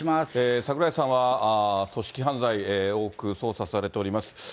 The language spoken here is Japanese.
櫻井さんは組織犯罪を多く捜査されております。